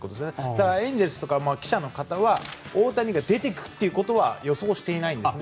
だからエンゼルスとか記者の方は大谷が出て行くことは予想していないんですね。